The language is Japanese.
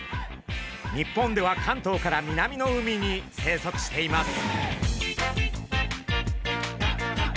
日本では関東から南の海に生息しています。